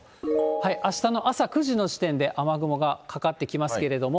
あしたの朝９時の時点で雨雲がかかってきますけれども。